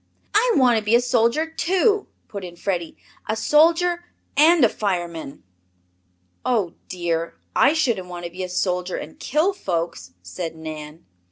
"I want to be a soldier, too," put in Freddie. "A soldier and a fireman." "Oh, dear, I shouldn't want to be a soldier and kill folks," said Nan.